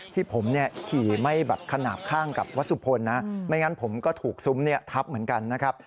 ที่ผมเนี่ยขี่ไม่แบบขนาดข้างกับวัสสุพลนะไม่งั้นผมก็ถูกซุ้มทับเหมือนกันนะครับ